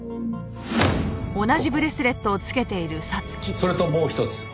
それともうひとつ。